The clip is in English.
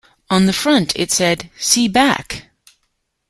On the front it said "see back".